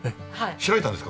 開いたんですか？